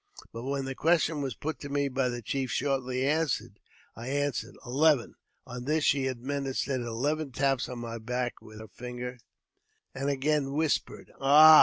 But when the question was put to me by the chief shortly after, I answered " Eleven.' On this she administered eleven taps on my back with heri finger, and again whispered, '' Ah